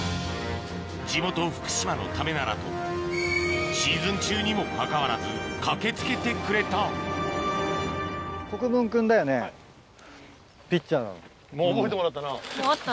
地元福島のためならとシーズン中にもかかわらず駆け付けてくれたもう覚えてもらったな。